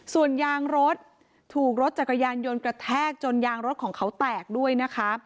ส่วนยางรถถูกรถจักรยานยนต์กระแทกจนยางรถของเขาแตกด้วยนะคะ